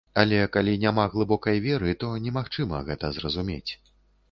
Але калі няма глыбокай веры, то немагчыма гэта зразумець.